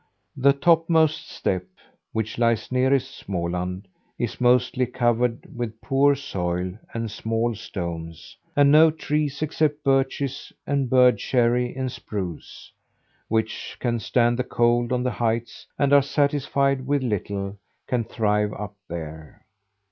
The topmost step, which lies nearest Småland, is mostly covered with poor soil and small stones, and no trees except birches and bird cherry and spruce which can stand the cold on the heights, and are satisfied with little can thrive up there.